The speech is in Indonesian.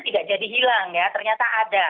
tidak jadi hilang ya ternyata ada